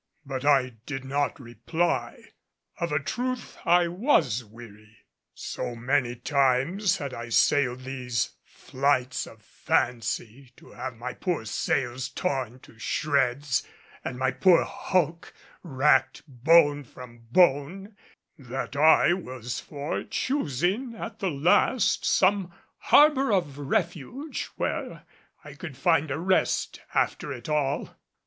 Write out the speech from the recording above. But I did not reply. Of a truth, I was weary. So many times had I sailed these flights of fancy to have my poor sails torn to shreds and my poor hulk racked bone from bone, that I was for choosing at the last some harbor of refuge where I could find a rest after it all.